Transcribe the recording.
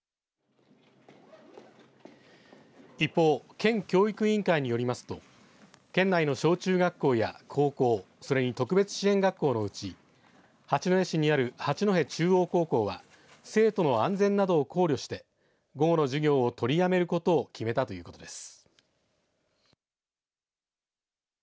一方、県教育委員会によりますと県内の小中学校や高校それに特別支援学校のうち八戸市にある八戸中央高校は生徒の安全などを考慮して午後の授業を取りやめることを決めたということです。